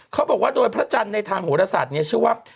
เขาบอกว่าโดยพระจันทร์ในทางโหรศาสตร์เนี่ยชื่อว่า